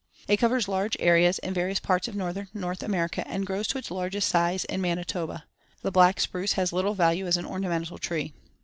It covers large areas in various parts of northern North America and grows to its largest size in Manitoba. The black spruce has little value as an ornamental tree.